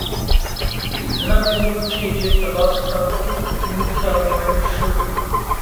زړه مې و چې جیب ته لاس کړم خو موږ ته ویل شوي وو.